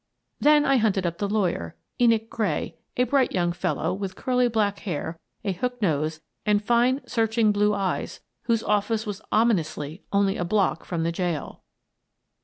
Then I hunted up the lawyer: Enoch Gray, a bright young fellow, with curly black hair, a hook nose, and fine searching blue eyes, whose office was ominously only a block from the jail.